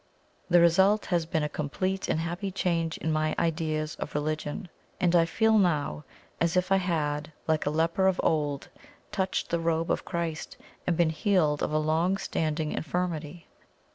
The result has been a complete and happy change in my ideas of religion, and I feel now as if I had, like a leper of old, touched the robe of Christ and been healed of a long standing infirmity.